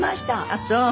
ああそう！